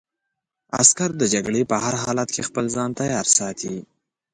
عسکر د جګړې په هر حالت کې خپل ځان تیار ساتي.